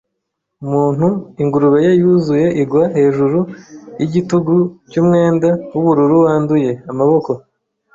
umuntu, ingurube ye yuzuye igwa hejuru yigitugu cyumwenda wubururu wanduye, amaboko